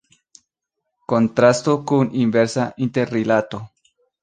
Kontrasto kun inversa interrilato.